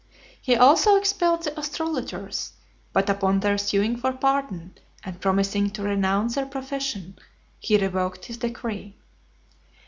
He also expelled the astrologers; but upon their suing for pardon, and promising to renounce their profession, he revoked his decree.